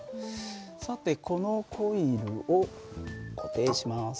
さてこのコイルを固定します。